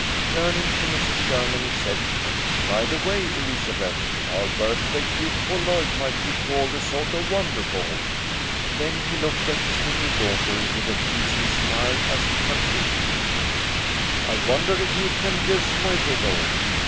Turning to Mrs. Sherman he said, "By the way, Elizabeth, our birthday gift for Lloyd might be called a sort of wonder ball." Then he looked at his little daughter with a teasing smile, as he continued, "I wonder if you can guess my riddle.